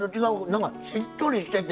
なんかしっとりしてて。